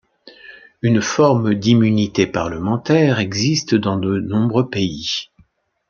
Une forme d'immunité parlementaire existe dans de nombreux pays.